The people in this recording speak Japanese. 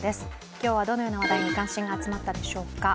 今日はどのような話題に関心が集まったでしょうか。